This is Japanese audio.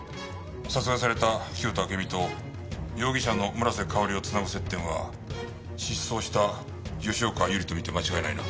殺害された清田暁美と容疑者の村瀬香織を繋ぐ接点は失踪した吉岡百合と見て間違いないな。